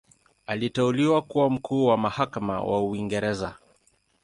Aliteuliwa kuwa Mkuu wa Mahakama wa Uingereza.